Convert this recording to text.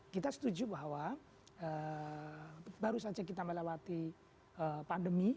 kita setuju bahwa baru saja kita melewati pandemi